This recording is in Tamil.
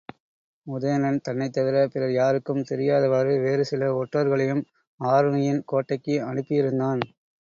உதயணன் தன்னைத் தவிரப் பிறர் யாருக்கும் தெரியாதவாறு வேறு சில ஒற்றர்களையும் ஆருணியின் கோட்டைக்கு அனுப்பியிருந்தான்.